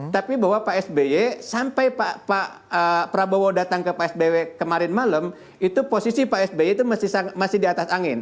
tapi bahwa pak sby sampai pak prabowo datang ke pak sbw kemarin malam itu posisi pak sby itu masih di atas angin